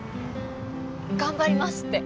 「頑張ります」って。